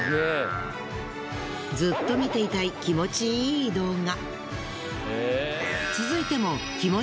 ずっと見ていたい気持ちいい動画。